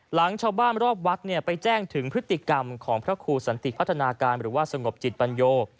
หลังชาวบ้านรอบวัดไปแจ้งถึงพฤติกรรมของพระครูสันติพัฒนาการหรือว่าสงบจิตปัญโย